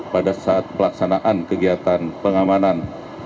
pada saat pelaksanaan kegiatan pengamanan